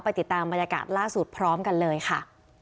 ติดตามบรรยากาศล่าสุดพร้อมกันเลยค่ะ